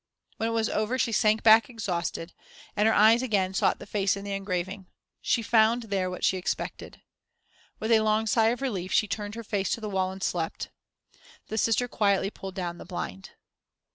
When it was over, she sank back exhausted, and her eyes again sought the face in the engraving. She found there what she expected. With a long sigh of relief she turned her face to the wall and slept. The Sister quietly pulled down the blind.